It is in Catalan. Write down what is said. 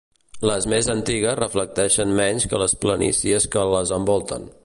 Les més antigues reflecteixen menys que les planícies que les envolten.